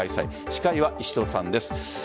司会は石戸さんです。